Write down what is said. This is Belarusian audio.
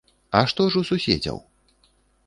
А што ж у суседзяў?